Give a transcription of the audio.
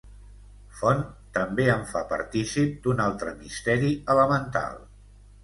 Font també em fa partícip d'un altre misteri elemental.